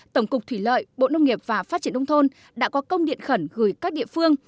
tổng cục thủy lợi bộ nông nghiệp và phát triển nông thôn đã có công điện khẩn gửi các địa phương